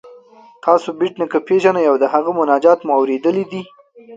تاسو بېټ نیکه پيژنئ او د هغه مناجات مو اوریدلی دی؟